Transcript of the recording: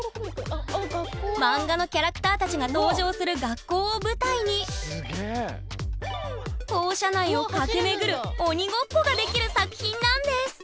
漫画のキャラクターたちが登場する学校を舞台に校舎内を駆け巡る鬼ごっこができる作品なんです。